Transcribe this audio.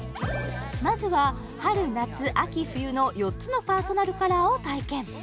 まずは春・夏・秋・冬の４つのパーソナルカラーを体験